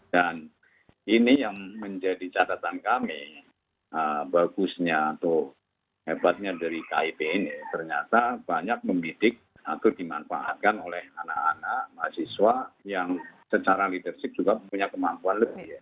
dan ini yang menjadi catatan kami bagusnya atau hebatnya dari kip ini ternyata banyak memidik atau dimanfaatkan oleh anak anak mahasiswa yang secara leadership juga punya kemampuan lebih